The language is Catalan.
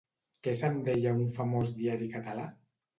Què se'n deia un famós diari català?